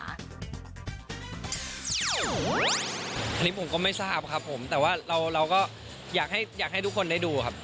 อันนี้ผมก็ไม่ทราบครับผมแต่ว่าเราก็อยากให้ทุกคนได้ดูครับ